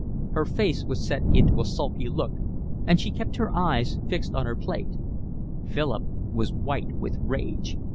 Her face was set into a sulky look, and she kept her eyes fixed on her plate. Philip was white with rage.